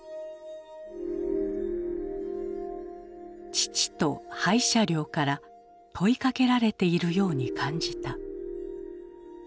父と廃車両から問いかけられているように感じた。